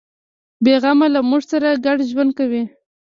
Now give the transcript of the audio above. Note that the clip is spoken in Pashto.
بیغمه له موږ سره ګډ ژوند کوي.